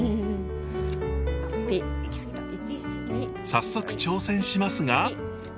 早速挑戦しますが。